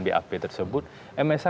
bap tersebut msh